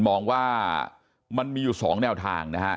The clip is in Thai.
มองว่ามันมีอยู่๒แนวทางนะฮะ